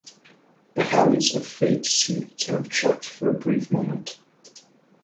The hounds of Fate seemed to have checked for a brief moment.